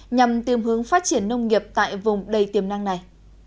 nhằm tiêm hướng phát triển nông nghiệp tại vùng đầy tiềm năng này